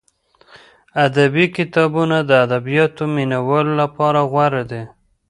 ادبي کتابونه د ادبیاتو مینه والو لپاره غوره دي.